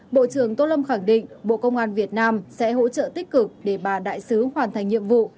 bộ trưởng tô lâm khẳng định bộ công an việt nam sẽ hỗ trợ tích cực để bà đại sứ hoàn thành nhiệm vụ